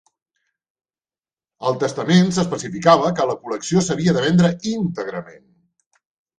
Al testament s'especificava que la col·lecció s'havia de vendre íntegrament.